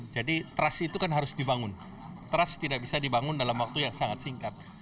jadi trust itu kan harus dibangun trust tidak bisa dibangun dalam waktu yang sangat singkat